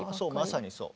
まさにそう。